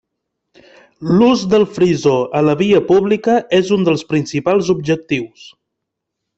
L’ús del frisó a la via pública és un dels principals objectius.